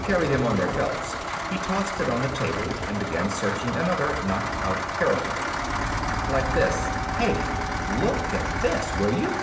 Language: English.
"Carry them on their belts." He tossed it on the table, and began searching another knocked out hierophant. "Like this Hey! Look at this, will you!"